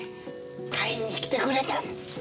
会いにきてくれたの！